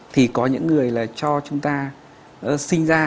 thì có những người là cho chúng ta sinh ra